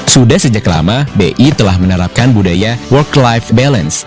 sudah sejak lama bi telah menerapkan budaya work life balance